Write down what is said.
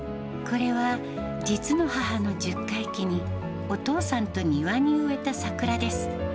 これは、実の母の十回忌に、お父さんと庭に植えた桜です。